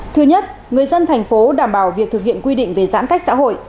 thứ nhất người dân thành phố đảm bảo việc thực hiện quy định về giãn cách xã hội